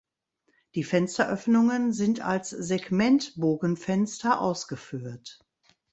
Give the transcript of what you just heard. Die Fensteröffnungen sind als Segmentbogenfenster ausgeführt.